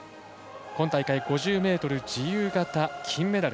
今大会５０ｍ自由形、金メダル。